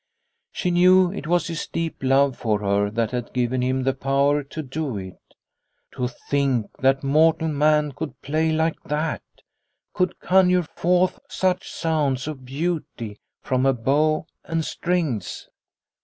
She knew it was his deep love for her that had given him the power to do it. To think that mortal man could play like that, could conjure forth such sounds of beauty from a bow and strings